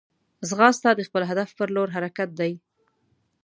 ځغاسته د خپل هدف پر لور حرکت دی